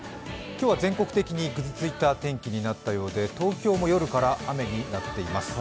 今日は全国的にぐずついた天気になったようで、東京も夜から雨になっています。